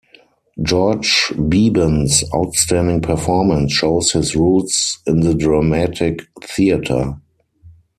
George Beban's outstanding performance shows his roots in the dramatic theater.